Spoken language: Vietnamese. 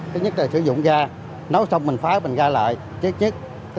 thứ nhất là sử dụng ga nấu xong mình phá bình ga lại chết chết